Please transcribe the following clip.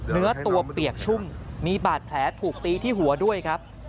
เนื้อตัวเปียกชุ่มมีบาดแผลถูกตีที่หัวด้วยครับ